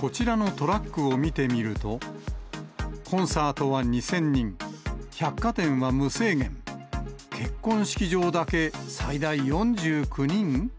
こちらのトラックを見てみると、コンサートは２０００人、百貨店は無制限、結婚式場だけ最大４９人？